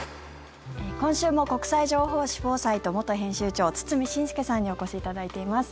今週も国際情報誌「フォーサイト」元編集長、堤伸輔さんにお越しいただいています。